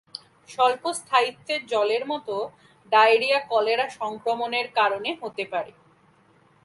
স্বল্প স্থায়িত্বের জলের মত ডায়রিয়া কলেরা সংক্রমণের কারণে হতে পারে।